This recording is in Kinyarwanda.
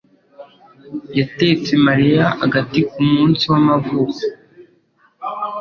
yatetse Mariya agati kumunsi w'amavuko.